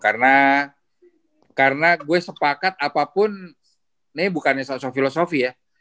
karena karena gue sepakat apapun ini bukannya soal filosofi ya